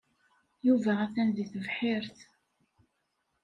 Yuba atan deg tebḥirt.